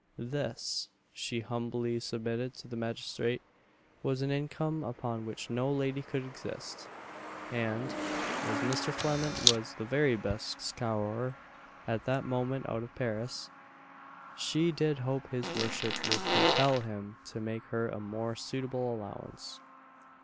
This, she humbly submitted to the magistrate, was an income upon which no lady could exist; and, as Mr. Flament was the very best scourer at that moment out of Paris, she did hope his worship would compel him to make her a more suitable allowance.